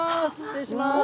失礼します。